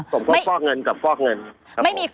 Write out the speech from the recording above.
สมครบฟอกเงินกับฟอกเงินครับผม